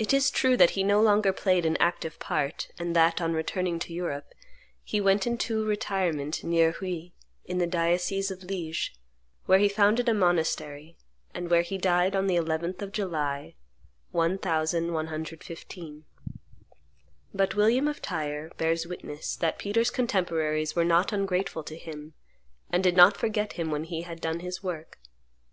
It is true that he no longer played an active part, and that, on returning to Europe, he went into retirement near Huy, in the diocese of Lige, where he founded a monastery, and where he died on the 11th of July, 1115. But William of Tyre bears witness that Peter's contemporaries were not ungrateful to him, and did not forget him when he had done his work.